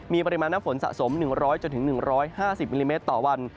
มีปริมาณน้ำฝนสะสม๑๐๐๑๕๐มิลลิเมตรต่อวัน